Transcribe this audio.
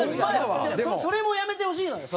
それもやめてほしいのよ。